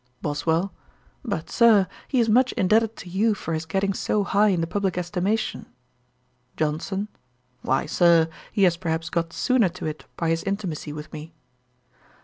BOSWELL. 'But, Sir, he is much indebted to you for his getting so high in the publick estimation.' JOHNSON. 'Why, Sir, he has perhaps got sooner to it by his intimacy with me.'